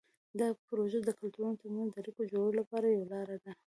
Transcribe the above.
دا پروژه د کلتورونو ترمنځ د اړیکو جوړولو لپاره یوه لاره ده.